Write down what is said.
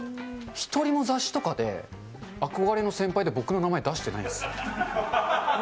一人も雑誌とかで、憧れの先輩で僕の名前出してないんです。